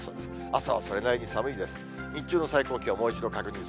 朝はそれなりに寒いです。